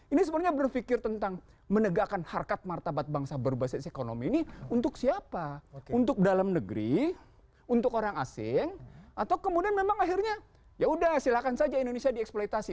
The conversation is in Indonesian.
ini sebenarnya berpikir tentang menegakkan harkat martabat bangsa berbasis ekonomi ini untuk siapa untuk dalam negeri untuk orang asing atau kemudian memang akhirnya yaudah silahkan saja indonesia dieksploitasi